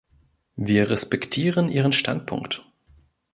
Wir respektieren ihren Standpunkt.